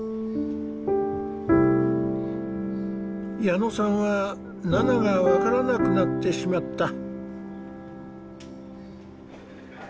矢野さんはナナが分からなくなってしまった。